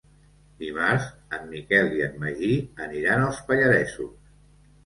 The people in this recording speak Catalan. Dimarts en Miquel i en Magí aniran als Pallaresos.